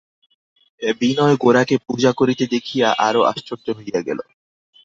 বিনয় গোরাকে পূজা করিতে দেখিয়া আরো আশ্চর্য হইয়া গেল।